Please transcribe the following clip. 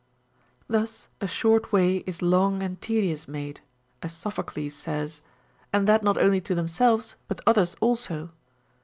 Thus a short way is long and tedious made, as Sophocles * says, and that not only to themselves, but others also.